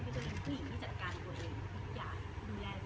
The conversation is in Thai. จะเป็นผู้หญิงที่จัดการตัวเองทุกอย่างดูแล